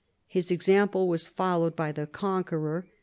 His example was followed by the Conqueror.